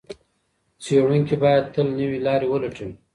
څېړونکي باید تل نوې لارې ولټوي.